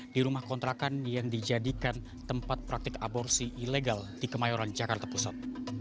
di rumah kontrakan yang dijadikan tempat praktik aborsi ilegal di kemayoran jakarta pusat